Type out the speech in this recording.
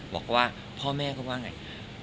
บอกว่าพ่อแม่เขาว่าไง